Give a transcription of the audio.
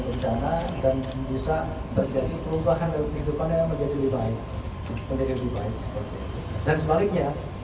bencana dan bisa terjadi perubahan hidupannya menjadi lebih baik dan sebaliknya